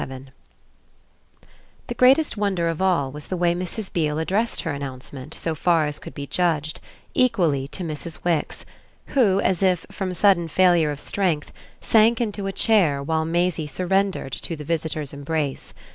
XXVII The greatest wonder of all was the way Mrs. Beale addressed her announcement, so far as could be judged, equally to Mrs. Wix, who, as if from sudden failure of strength, sank into a chair while Maisie surrendered to the visitor's embrace.